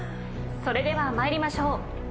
それでは参りましょう。